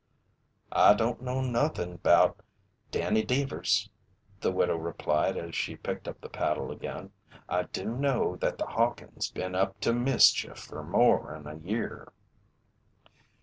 "I don't know nothin' about Danny Deevers," the widow replied as she picked up the paddle again. "I do know that the Hawkins' been up to mischief fer more'n a year."